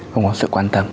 không có sự quan tâm